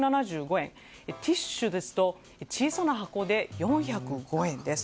ティッシュですと小さな箱で４０５円です。